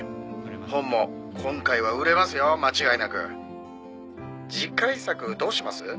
「本も今回は売れますよ間違いなく」「次回作どうします？」